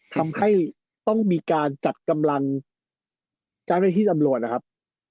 ทำให้ต้องมีการจัดกำลังเจ้าหน้าที่ตำรวจนะครับ